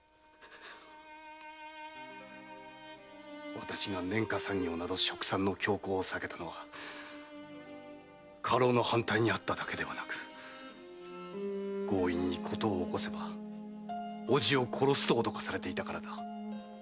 私が綿花産業など殖産の強行を避けたのは家老の反対にあっただけではなく強引に事を起こせば伯父を殺すと脅かされていたからだ！